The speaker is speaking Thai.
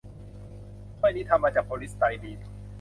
ถ้วยนี้ทำมาจากโพลีสไตรีน